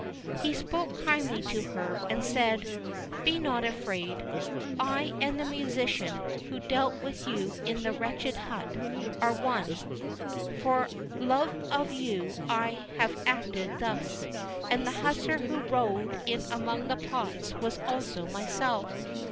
He spoke kindly to her, and said: "Be not afraid; I and the musician, who dwelt with you in the wretched hut, are one; for love of you I have acted thus; and the hussar who rode in among the pots was also myself.